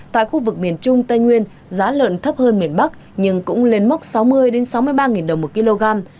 tại khu vực miền trung tây nguyên giá lợn thấp hơn miền bắc nhưng cũng lên mốc sáu mươi sáu mươi ba đồng một kg